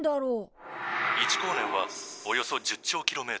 「１光年はおよそ１０兆ｋｍ。